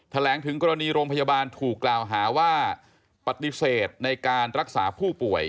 แถลงถึงกรณีโรงพยาบาลถูกกล่าวหาว่าปฏิเสธในการรักษาผู้ป่วย